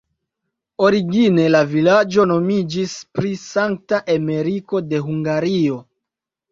Origine la vilaĝo nomiĝis pri Sankta Emeriko de Hungario.